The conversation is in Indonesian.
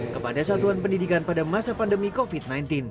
kepada satuan pendidikan pada masa pandemi covid sembilan belas